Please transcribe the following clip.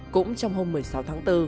cũng trong hôm một mươi sáu tháng bốn